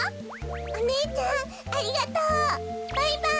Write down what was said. おねえちゃんありがとう。バイバイ。